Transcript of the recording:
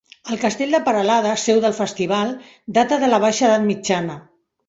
El Castell de Peralada, seu del Festival, data de la baixa edat mitjana.